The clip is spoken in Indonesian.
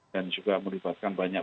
dan juga melibatkan banyak